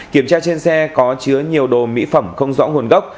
kiểm tra trên xe có chứa nhiều đồ mỹ phẩm không rõ nguồn gốc